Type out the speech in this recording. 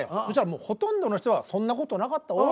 そしたらもうほとんどの人は「そんな事なかった」